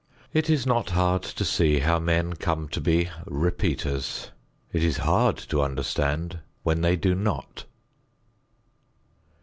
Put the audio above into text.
It is not hard to see how men come to be "repeaters." It is hard to understand when they do not.